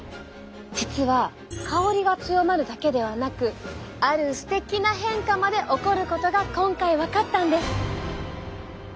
実は香りが強まるだけではなくあるステキな変化まで起こることが今回分かったんです。